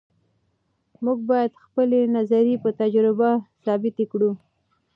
موږ باید خپلې نظریې په تجربه ثابتې کړو.